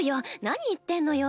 何言ってんのよ。